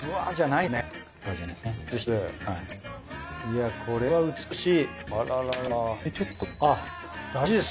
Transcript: いやこれは美しい！